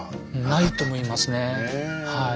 ないと思いますねはい。